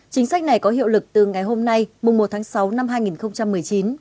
chính sách này có hiệu lực từ ngày hôm nay một tháng sáu năm hai nghìn một mươi chín